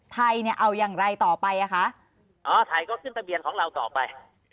ไทยเนี่ยเอาอย่างไรต่อไปอ่ะคะอ๋อไทยก็ขึ้นทะเบียนของเราต่อไป